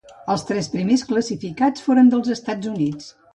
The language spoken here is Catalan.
Els tres primers classificats foren dels Estats Units.